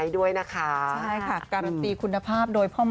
สวัสดีค่ะ